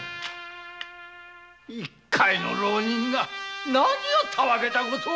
一介の浪人が何をたわけたことを。